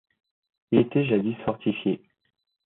Il était jadis fortifié.